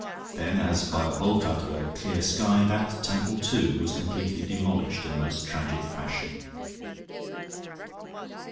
Then as by a bolt out of a clear sky that temple, too, was completely demolished, in the most tragic fashion.